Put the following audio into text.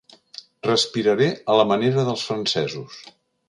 Respiraré a la manera dels francesos.